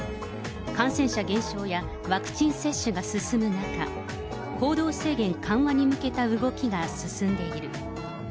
感染者減少やワクチン接種が進む中、行動制限緩和に向けた動きが進んでいる。